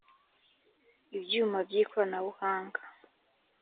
ibyuma by’ ikoranabuhanga